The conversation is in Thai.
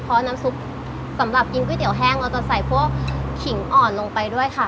เพราะน้ำซุปสำหรับกินก๋วยเตี๋แห้งเราจะใส่พวกขิงอ่อนลงไปด้วยค่ะ